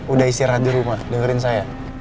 udah istirahat di rumah dengerin saya